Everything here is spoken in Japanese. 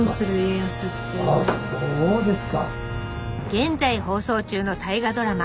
現在放送中の大河ドラマ